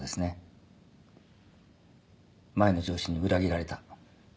前の上司に裏切られた。